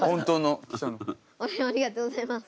ありがとうございます。